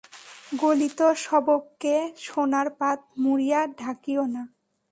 গলিত শবকে সোনার পাত মুড়িয়া ঢাকিও না।